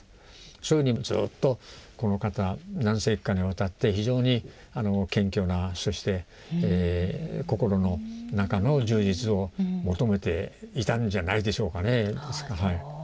そういうふうにずっとこのかた何世紀かにわたって非常に謙虚なそして心の中の充実を求めていたんじゃないでしょうかね。